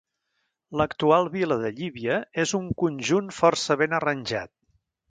L'actual Vila de Llívia és un conjunt força ben arranjat.